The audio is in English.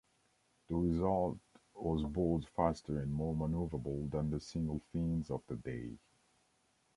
The result was boards faster and more manoeuvrable than the single-fins of the day.